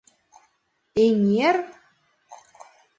Эҥер?